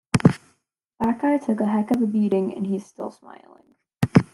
That guy took a heck of a beating and he's still smiling.